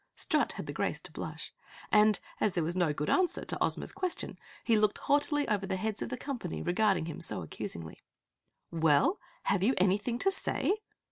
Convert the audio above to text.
Strut had the grace to blush, and as there was no good answer to Ozma's question, he looked haughtily over the heads of the company regarding him so accusingly. "Well, have you anything to say?"